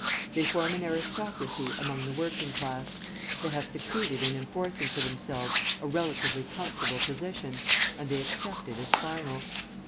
They form an aristocracy among the working class; they have succeeded in enforcing for themselves a relatively comfortable position, and they accept it as final.